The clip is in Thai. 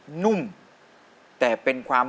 รักคุณเสียยิ่งกว่าใคร